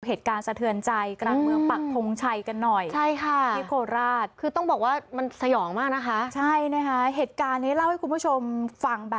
เหตุการณ์สเทือนใจกลางเมือง